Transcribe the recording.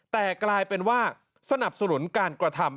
แต่กลายเป็นว่าสนับสนุนการกระทำ